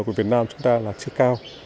của việt nam chúng ta chưa cao